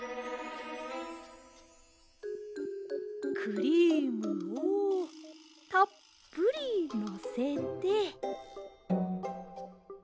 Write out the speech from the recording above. クリームをたっぷりのせて。